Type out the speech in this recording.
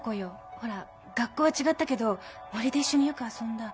ほら学校は違ったけど森で一緒によく遊んだ。